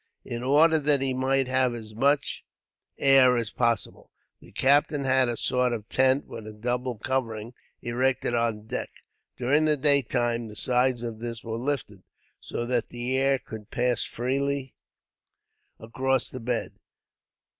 In order that he might have as much air as possible, the captain had a sort of tent, with a double covering, erected on deck. During the daytime the sides of this were lifted, so that the air could pass freely across the bed.